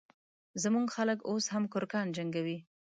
زموږ خلک اوس هم کرکان جنګوي